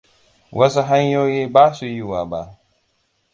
Wasu hanyoyi ba su yiwuwa ba.